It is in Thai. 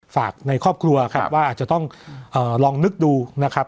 ในครอบครัวครับว่าอาจจะต้องลองนึกดูนะครับ